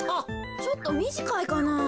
ちょっとみじかいかなあ。